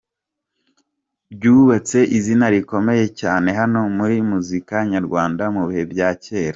ryubatse izina rikomeye cyane hano muri muzika nyarwanda mu bihe bya cyera.